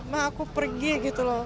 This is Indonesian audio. mah aku pergi gitu loh